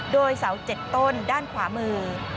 โดยเสา๗ต้นด้านขวามือ